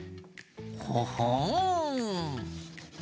ほほん。